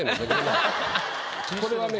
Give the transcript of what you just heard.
これはね